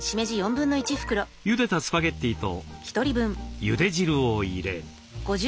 ゆでたスパゲッティとゆで汁を入れ。